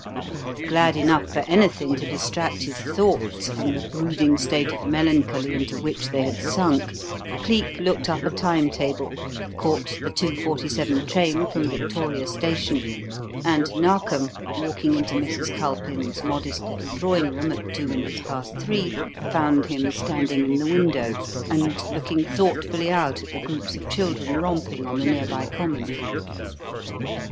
Glad enough for anything to distract his thoughts from the brooding state of melancholy into which they had sunk, Cleek looked up a time table, caught the 2:47 train from Victoria Station; and Narkom, walking into Mrs. Culpin's modest little drawing room at two minutes past three, found him standing in the window and looking thoughtfully out at the groups of children romping on the near by common.